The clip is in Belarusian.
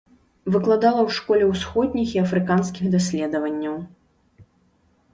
Выкладала ў школе ўсходніх і афрыканскіх даследаванняў.